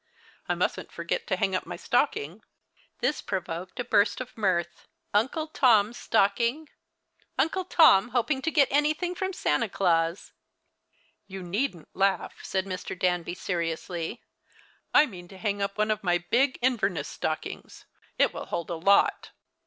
I mustn't forget to hang up my stocking." This provoked a burst of mirth. Uncle Tom's stock ing ! Uncle Tom hoping to get anything from fe'anta Claus ! 104 The Christmas Hirelings. " You needn't laugh," said Mr. Danby, seriously. " I mean to hang up one of my big Inverness stockings. It will hold a lot."